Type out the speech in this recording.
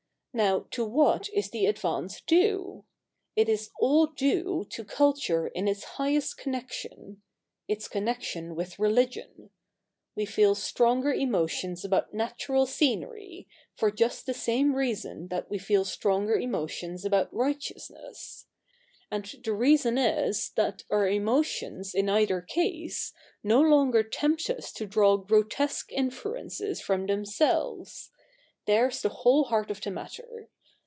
Now, to what is the advance due ? It is all due to culture in its highest connection — its connection with religion. We feel stronger emotions about natural scenery, for just the same reason that we feel stronger emotions about righteousness. And the reason is, that our emotions, in either case, no longer tempt us to draw grotesque inferences from themselves. There's the whole heart of the matter.